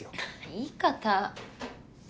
言い方